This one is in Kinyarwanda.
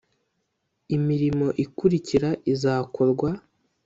imirimo ikurikira izakorwa